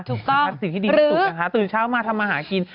ถูกต้องหรือตื่นเช้ามาทำมาหากิน